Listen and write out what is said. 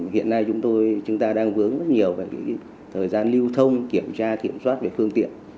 hiện nay chúng ta đang vướng rất nhiều về cái thời gian lưu thông kiểm tra kiểm soát về phương tiện